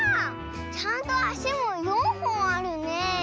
ちゃんとあしも４ほんあるね。